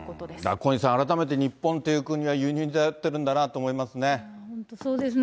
小西さん、改めて日本っていう国は輸入に頼ってるんだなと思本当そうですね。